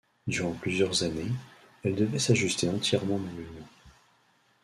Durant plusieurs années, elles devaient s'ajuster entièrement manuellement.